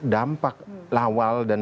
dampak lawal dan